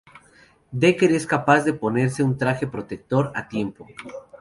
Dekker, que es capaz de ponerse un traje protector a tiempo.